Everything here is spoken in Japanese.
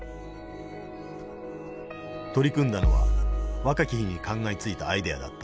取り組んだのは若き日に考えついたアイデアだった。